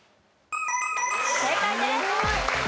正解です。